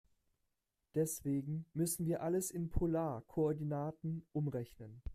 Deswegen müssen wir alles in Polarkoordinaten umrechnen.